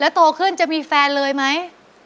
โตขึ้นจะมีแฟนเลยไหม